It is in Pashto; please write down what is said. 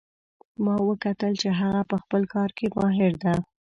ما وکتل چې هغه په خپل کار کې ماهر ده